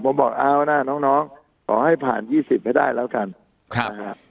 ผมบอกเอานะน้องขอให้ผ่าน๒๐ให้ได้แล้วกันนะฮะ